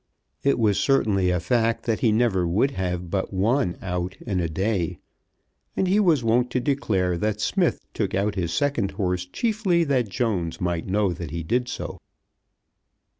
It was certainly a fact that he never would have but one out in a day, and he was wont to declare that Smith took out his second horse chiefly that Jones might know that he did so.